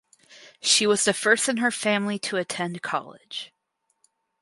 She was the first in her family to attend college.